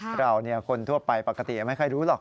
เราคนทั่วไปปกติยังไม่ค่อยรู้หรอก